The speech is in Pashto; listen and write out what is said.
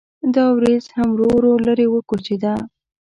دا وریځ هم ورو ورو لرې وکوچېده.